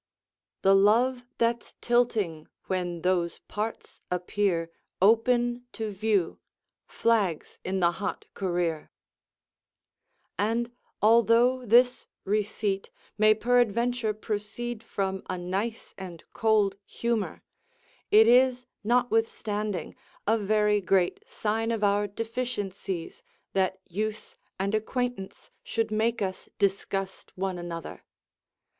"The love that's tilting when those parts appear Open to view, flags in the hot career," And, although this receipt may peradventure proceed from a nice and cold humour, it is notwithstanding a very great sign of our deficiencies that use and acquaintance should make us disgust one another.